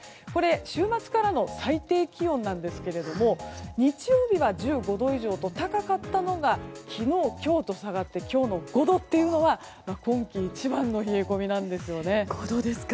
週末からの最低気温ですが日曜日は１５度以上と高かったのが昨日、今日と下がって今日の５度というのは今季一番の冷え込みなんです。